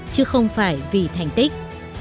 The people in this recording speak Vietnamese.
chứ không phải vì thành tích